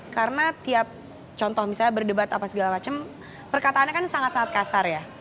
karena tiap contoh misalnya berdebat apa segala macem perkataannya kan sangat sangat kasar ya